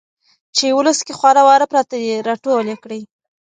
چې ولس کې خواره واره پراته دي را ټول يې کړي.